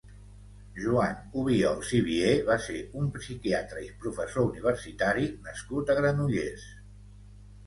Joan Obiols i Vié va ser un psiquiatre i professor universitari nascut a Granollers.